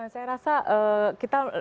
saya rasa kita melihat lebih kepada prosesnya